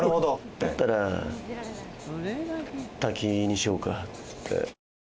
だったら、滝にしようかって。